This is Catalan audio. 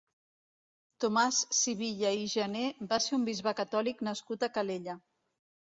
Tomàs Sivilla i Gener va ser un bisbe catòlic nascut a Calella.